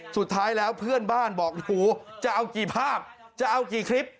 สุดท้ายแล้วเพื่อนบ้านบอกหูจะเอากี่ภาพจะเอากี่คลิป